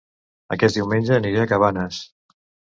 Aquest diumenge aniré a Cabanes